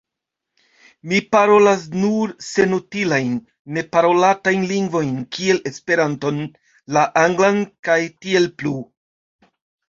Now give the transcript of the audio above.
Mi parolas nur senutilajn, neparolatajn lingvojn kiel Esperanton, la anglan, kaj tiel plu.